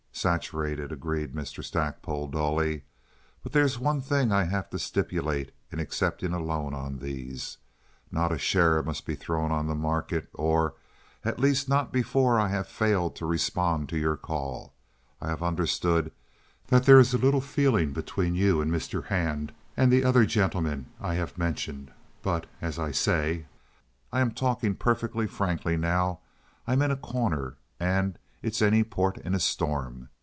"Saturated," agreed Mr. Stackpole, dully. "But there's one thing I'd have to stipulate in accepting a loan on these. Not a share must be thrown on the market, or, at least, not before I have failed to respond to your call. I have understood that there is a little feeling between you and Mr. Hand and the other gentlemen I have mentioned. But, as I say—and I'm talking perfectly frankly now—I'm in a corner, and it's any port in a storm.